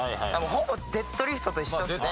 ほぼデッドリフトと一緒ですね。